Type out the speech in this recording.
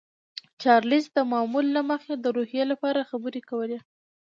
چارلیس د معمول له مخې د روحیې لپاره خبرې کولې